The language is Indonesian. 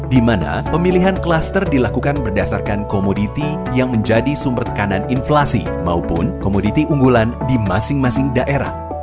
di mana pemilihan klaster dilakukan berdasarkan komoditi yang menjadi sumber tekanan inflasi maupun komoditi unggulan di masing masing daerah